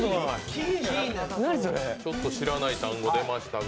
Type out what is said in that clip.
ちょっと知らない単語出ましたが。